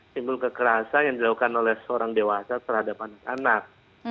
simbol kekerasan yang dilakukan oleh seorang dewasa terhadap anak